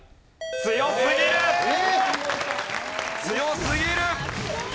強すぎる！